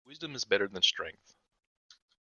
Wisdom is better than strength.